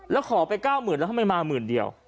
แล้วขอไป๙๐๐แล้วทำไมมาหมื่นเดียว